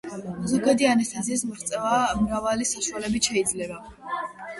ზოგადი ანესთეზიის მიღწევა მრავალი საშუალებით შეიძლება.